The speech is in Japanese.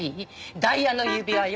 ダイヤの指輪よ。